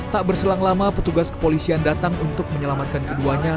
tak berselang lama petugas kepolisian datang untuk menyelamatkan keduanya